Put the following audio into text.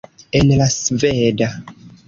En la sveda.